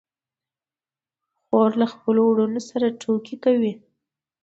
خور له خپلو وروڼو سره ټوکې کوي.